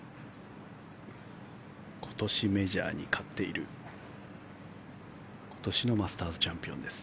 今年メジャーに勝っている今年のマスターズチャンピオンです